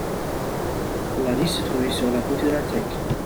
L'anus se trouvait sur le côté de la thèque.